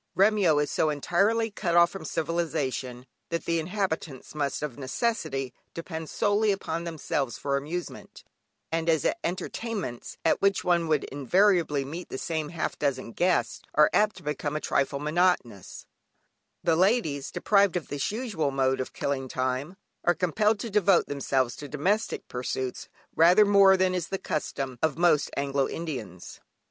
Remyo is so entirely cut off from civilisation, that the inhabitants must of necessity depend solely upon themselves for amusement, and as entertainments, at which one would invariably meet the same half dozen guests are apt to become a trifle monotonous, the ladies, deprived of this usual mode of killing time, are compelled to devote themselves to domestic pursuits rather more than is the custom of most Anglo Indians.